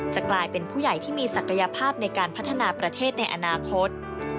กลายเป็นผู้ใหญ่ที่มีศักยภาพในการพัฒนาประเทศในอนาคต